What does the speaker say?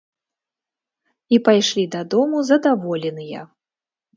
І пайшлі дадому задаволеныя.